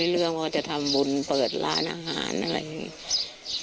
เรื่องว่าจะทำบุญเปิดร้านอาหารอะไรอย่างนี้